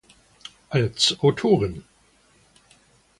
Als Autorin